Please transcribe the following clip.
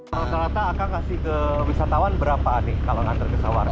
rata rata akan kasih ke wisatawan berapa nih kalau ngantri ke sawarna